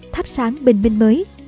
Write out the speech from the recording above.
thắp sáng bình minh mới